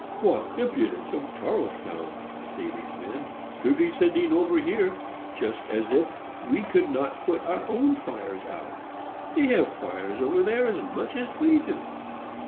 "What impudence of Charlestown," say these men, "to be sending over here,—just as if we could not put our own fires out! They have fires over there, as much as we do."